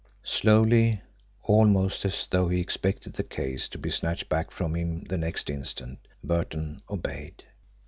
Slowly, almost as though he expected the case to be snatched back from him the next instant, Burton obeyed.